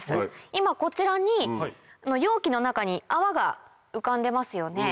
今こちらに容器の中に泡が浮かんでますよね。